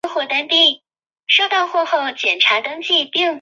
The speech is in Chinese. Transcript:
斑眼蝶属是蛱蝶科眼蝶亚科帻眼蝶族中的一个属。